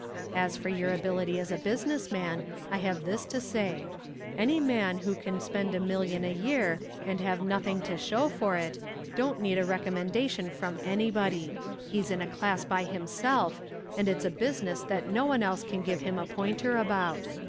As for your ability as a business man, I have this to say: Any man who can spend a million a year and have nothing to show for it, don't need a recommendation from anybody. He's in a class by himself, and it's a business that no one else can give him a pointer about.